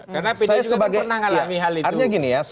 karena pdi juga pernah mengalami hal itu